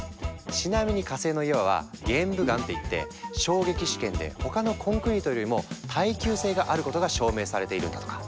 ちなみに火星の岩は「玄武岩」っていって衝撃試験で他のコンクリートよりも耐久性があることが証明されているんだとか。